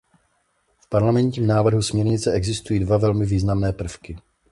V parlamentním návrhu směrnice existují dva velmi významné prvky.